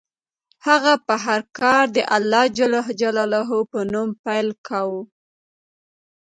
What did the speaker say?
هغه به هر کار د الله په نوم پیل کاوه.